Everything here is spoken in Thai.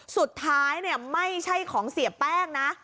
สุดท้ายไม่ใช่ของเสียแป้งนะ